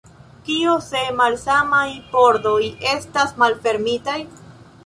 Kio se malsamaj pordoj estas malfermitaj?